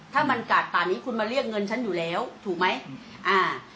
ถ้ามันกาดป่านี้คุณมาเรียกเงินฉันอยู่แล้วถูกไหมอ่า